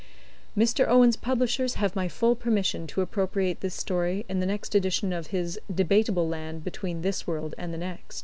Mr. Owen's publishers have my full permission to appropriate this story in the next edition of his "Debatable Land between this World and the Next."